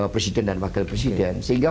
presiden dan wakil presiden sehingga